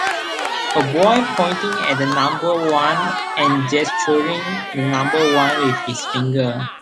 A boy pointing at the number one and gesturing the number one with his finger.